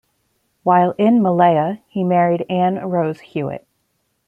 While in Malaya, he married Anne Rose Hewitt.